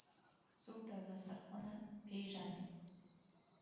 څو ډوله څرخونه پيژنئ.